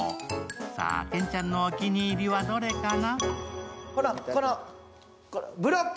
さぁ、ケンちゃんのお気に入りはどれかな？